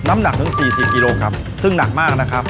น้ำหนักถึง๔๐กิโลกรัมซึ่งหนักมากนะครับ